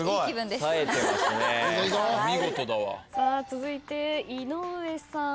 続いて井上さん。